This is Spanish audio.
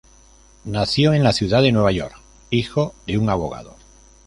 Nació en la ciudad de Nueva York, hijo de un abogado.